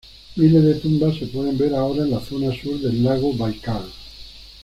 Miles de tumbas se pueden ver ahora en la zona sur del lago Baikal.